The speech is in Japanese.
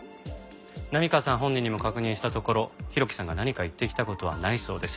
波川さん本人にも確認したところ浩喜さんが何か言ってきた事はないそうです。